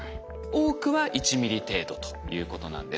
多くは１ミリ程度ということなんです。